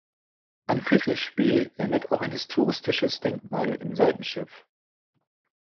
An Friedrich Spee erinnert auch ein historistisches Denkmal im Seitenschiff.